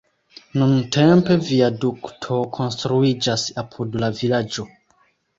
Nuntempe viadukto konstruiĝas apud la vilaĝo.